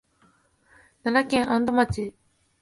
奈良県安堵町